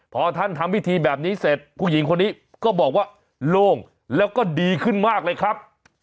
พอท่านทำพิธีแบบนี้เสร็จผู้หญิงคนนี้ก็บอกว่าโล่งแล้วก็ดีขึ้นมากเลยครับ